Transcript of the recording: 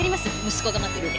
息子が待ってるんで。